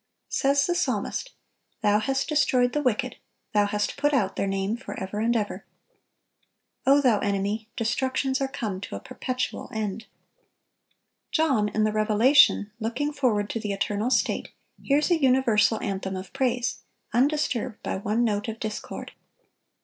Says the psalmist: "Thou hast destroyed the wicked, Thou hast put out their name forever and ever. O thou enemy, destructions are come to a perpetual end."(960) John, in the Revelation, looking forward to the eternal state, hears a universal anthem of praise, undisturbed by one note of discord.